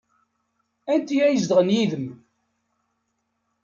Anti ay izedɣen yid-m?